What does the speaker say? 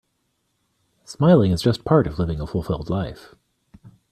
Smiling is just part of living a fulfilled life.